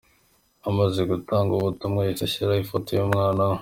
" Amaze gutanga ubu butumwa, yahise ashyiraho ifoto y’umwana we.